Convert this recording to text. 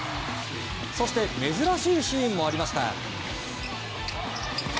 そして珍しいシーンもありました。